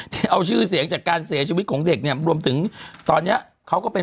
ที่เอาชื่อเสียงจากการเสียชีวิตของเด็กเนี่ยรวมถึงตอนเนี้ยเขาก็เป็น